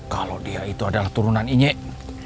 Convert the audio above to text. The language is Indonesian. kalau dia itu adalah turunan inyek